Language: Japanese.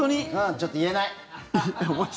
ちょっと言えない。